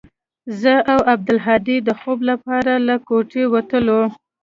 زه او عبدالهادي د خوب لپاره له كوټې وتلو.